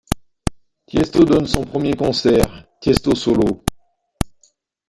Tiësto donne son premier concert, Tiësto Solo.